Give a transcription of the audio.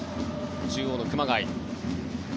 中央の熊谷。